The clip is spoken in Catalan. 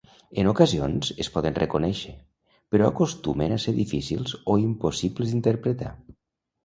En ocasions es poden reconèixer, però acostumen a ser difícils o impossibles d'interpretar.